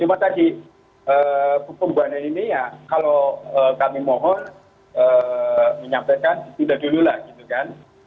cuma tadi pembenahan ini ya kalau kami mohon menyampaikan tidak dulu lah gitu kan